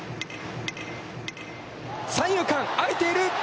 三遊間あいている。